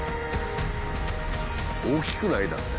大きくない？だって。